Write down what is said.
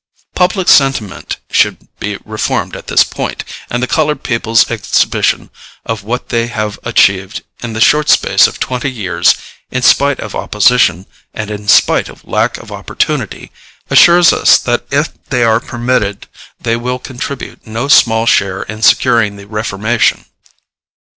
Public sentiment should be reformed at this point; and the colored people's exhibition of what they have achieved in the short space of twenty years, in spite of opposition, and in spite of lack of opportunity, assures us that if they are permitted they will contribute no small share in securing the reformation.